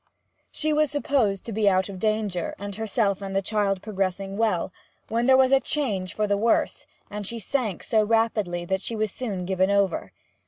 She was supposed to be out of danger, and herself and the child progressing well, when there was a change for the worse, and she sank so rapidly that she was soon given over.